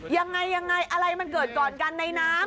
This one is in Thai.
ยังไงยังไงอะไรมันเกิดก่อนกันในน้ำ